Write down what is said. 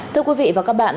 thưa quý vị và các bạn